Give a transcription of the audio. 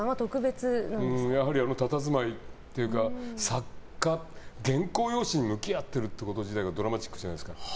あのたたずまいというか作家、原稿用紙に向き合っていること自体がドラマチックじゃないですか。